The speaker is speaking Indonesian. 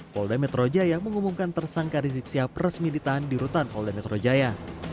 polda metro jaya mengumumkan tersangka rizik sihab resmi ditahan di rutan polda metro jaya